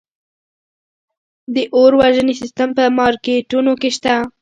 د اور وژنې سیستم په مارکیټونو کې شته؟